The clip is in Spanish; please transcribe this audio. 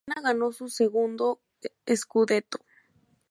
Fiorentina ganó su segundo "scudetto".